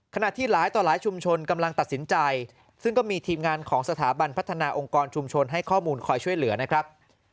ขณะที่หลายต่อหลายชุมชนกำลังตัดสินใจซึ่งก็มีทีมงานของสถาบันพัฒนาองค์กรชุมชนให้ข้อมูลคอยช่วยเหลือนะครับ